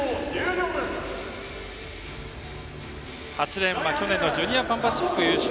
８レーンは去年のジュニアパンパシフィック優勝